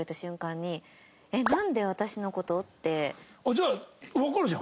じゃあわかるじゃん。